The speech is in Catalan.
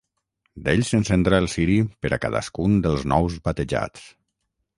D'ell s'encendrà el ciri per a cadascun dels nous batejats.